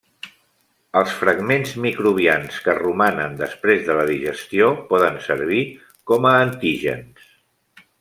Els fragments microbians que romanen després de la digestió poden servir com a antígens.